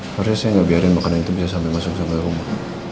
harusnya saya gak biarin makanan itu bisa sampai masuk masuk ke rumah